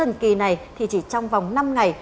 thần kỳ này thì chỉ trong vòng năm ngày